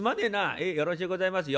「ええよろしゅうございますよ」。